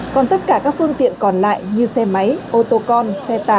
còn tất cả các phương tiện còn lại như xe máy ô tô con xe tải từ hà nội